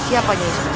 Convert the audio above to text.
siapa nyai sebenarnya